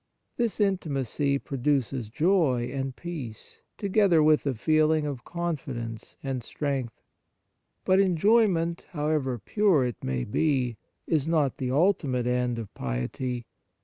This intimacy produces joy and peace, together with a feeling of con fidence and strength. But enjoyment, however pure it may be, is not the ultimate end of piety.